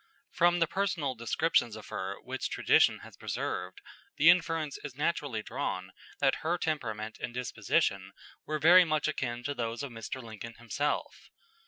From the personal descriptions of her which tradition has preserved, the inference is naturally drawn that her temperament and disposition were very much akin to those of Mr. Lincoln himself.